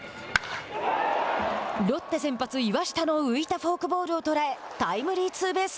ロッテ先発、岩下の浮いたフォアボールを捉えタイムリーツーベース。